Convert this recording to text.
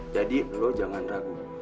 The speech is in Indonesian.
jadi lo jangan ragu